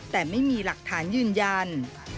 แต่ไม่มีหลักฐานยืนยัน